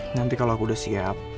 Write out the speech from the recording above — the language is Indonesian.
nanti kalau aku udah siap